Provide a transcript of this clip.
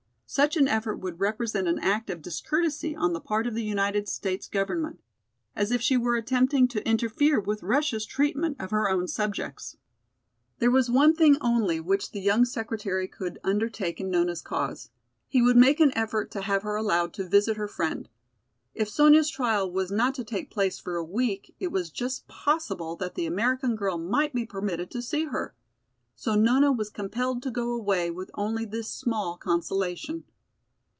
Such an effort would represent an act of discourtesy on the part of the United States Government, as if she were attempting to interfere with Russia's treatment of her own subjects. There was one thing only which the young secretary could undertake in Nona's cause. He would make an effort to have her allowed to visit her friend. If Sonya's trial was not to take place for a week, it was just possible that the American girl might be permitted to see her. So Nona was compelled to go away with only this small consolation.